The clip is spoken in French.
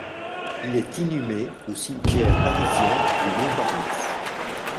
Il est inhumé au cimetière parisien du Montparnasse.